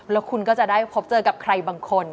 แล้วคุณก็จะได้พบเจอกับใครบางคน